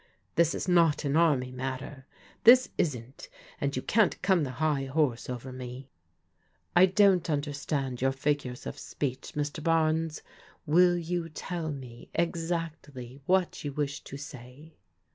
This is not an army matter, this isn't, and you can't come the high horse over me." " I don't understand your figures of speech, Mr. Barnes. Will you tell me exactly what you wish to say?"